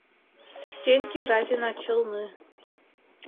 Стеньки Разина челны...